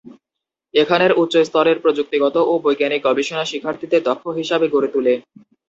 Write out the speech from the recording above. এখানে উচ্চ স্তরের প্রযুক্তিগত ও বৈজ্ঞানিক গবেষণা শিক্ষার্থীদের দক্ষ হিসাবে গড়ে তুলে।